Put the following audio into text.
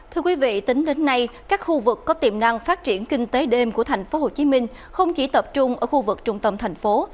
thưa quý vị tính đến nay các khu vực có tiềm năng phát triển kinh tế đêm của tp hcm không chỉ tập trung ở khu vực trung tâm thành phố